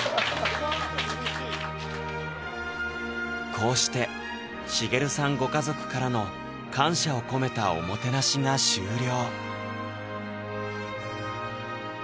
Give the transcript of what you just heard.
こうして茂さんご家族からの感謝を込めたおもてなしが終了